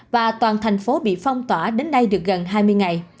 và toàn thành phố bị phong tỏa đến nay được gần hai mươi ngày